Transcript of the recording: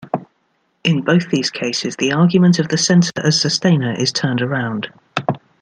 In both these cases the argument of the centre as sustainer is turned around.